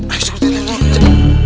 ayo suruh dia